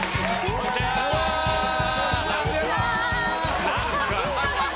こんにちは。